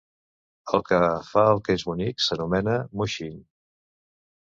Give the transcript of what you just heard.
El que "fa el que és bonic" s'anomena "muhsin".